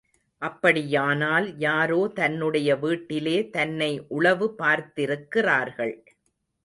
அப்படியானால் யாரோ தன்னுடைய வீட்டிலே தன்னை உளவு பார்த்திருக்கிறார்கள்.